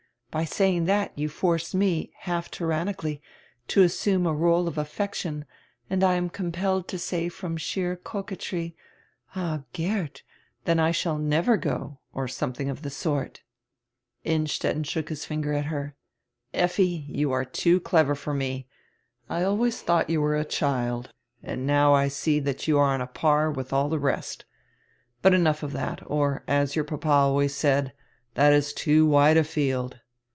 By saying that you force me, half tyrannically, to assume a role of affec tion, and I am compelled to say from sheer coquetry: 'Ah, Geert, then I shall never go.' Or some tiling of the sort." Innstetten shook his finger at her. "Effi, you are too clever for me. I always thought you were a child, and now I see that you are on a par with all the rest. But enough of that, or, as your papa always said, 'that is too wide a field.'